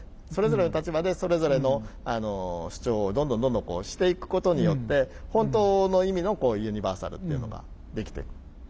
それぞれの立場でそれぞれの主張をどんどんどんどんしていくことによって本当の意味のユニバーサルっていうのができてくる。